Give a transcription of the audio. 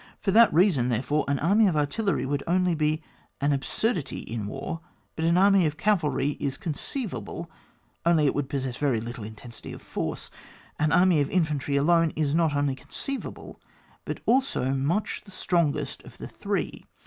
For that reasoD, therefore, an army of artilleiy only would be an absurdity in war, but an army of cavalry is conceivable, only it would possess very little intensity of force. An army of infantry alone is not only conceivable but also much the strong est of the three.